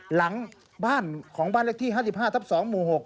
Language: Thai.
หลังบ้านของบ้านเลขที่๕๕ทับ๒หมู่๖